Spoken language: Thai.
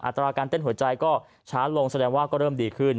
ตราการเต้นหัวใจก็ช้าลงแสดงว่าก็เริ่มดีขึ้น